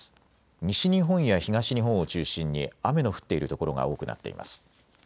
西日本や東日本を中心に雨の降っている所が多くなっています。